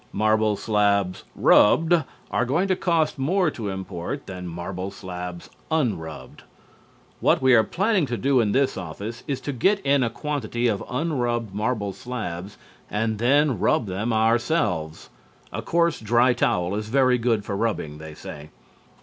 "Marble slabs, rubbed" are going to cost more to import than "marble slabs, unrubbed." What we are planning to do in this office is to get in a quantity of unrubbed marble slabs and then rub them ourselves. A coarse, dry towel is very good for rubbing, they say.